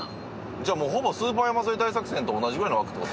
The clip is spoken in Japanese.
じゃあもうほぼ『スーパー山添大作戦』と同じぐらいの枠って事？